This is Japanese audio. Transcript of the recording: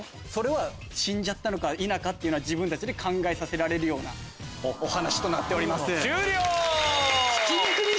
死んじゃったのか否かは自分たちで考えさせられるようなお話となっております。